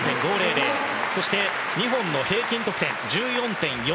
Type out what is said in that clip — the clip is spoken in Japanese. そして２本の平均得点１４．４１６。